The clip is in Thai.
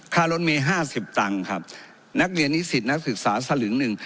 รถเมย์ห้าสิบตังค์ครับนักเรียนนิสิตนักศึกษาสลึงหนึ่ง